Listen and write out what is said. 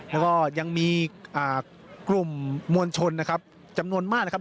แล้วก็ยังมีกลุ่มมวลชนนะครับจำนวนมากนะครับ